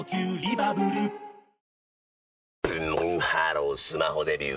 ブンブンハロースマホデビュー！